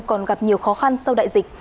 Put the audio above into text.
còn gặp nhiều khó khăn sau đại dịch